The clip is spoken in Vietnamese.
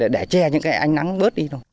để che những ẻ